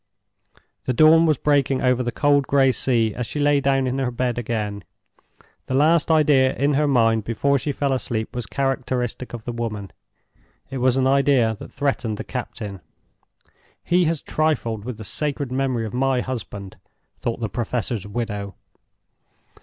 The dawn was breaking over the cold gray sea as she lay down in her bed again. The last idea in her mind before she fell asleep was characteristic of the woman—it was an idea that threatened the captain. "He has trifled with the sacred memory of my husband," thought the Professor's widow.